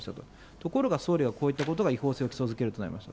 ところが総理はこういったことが違法性を基礎づけるとなりました。